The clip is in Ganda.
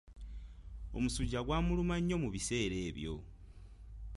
Omusujja gwamuluma nnyo mu biseera ebyo.